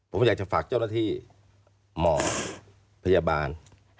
ผมอยากจะฝากเจ้าหน้าที่หมอพยาบาล